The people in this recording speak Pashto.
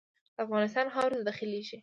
د افغانستان خاورې ته داخلیږي.